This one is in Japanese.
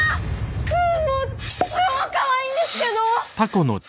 グーもう超かわいいんですけど！